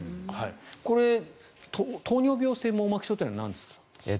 これ糖尿病性網膜症っていうのはなんですか？